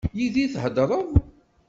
Yid-i i d-theddreḍ?